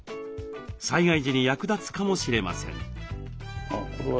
災害時に役立つかもしれません。